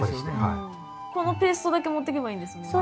このペーストだけ持ってけばいいんですもんね。